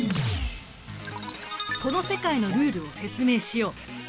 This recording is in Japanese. この世界のルールを説明しよう。